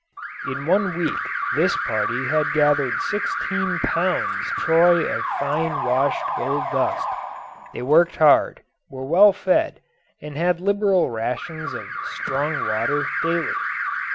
In one week this party had gathered sixteen pounds troy of fine washed gold dust. They worked hard, were well fed, and had liberal rations of "strong water" daily.